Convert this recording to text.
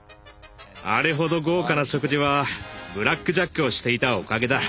あれほど豪華な食事はブラックジャックをしていたおかげだ。